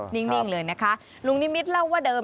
นิ่งเลยนะคะลุงนิมิตเล่าว่าเดิม